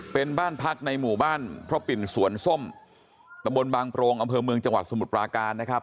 เป็นบ้านพักในหมู่บ้านพระปิ่นสวนส้มตะบนบางโปรงอำเภอเมืองจังหวัดสมุทรปราการนะครับ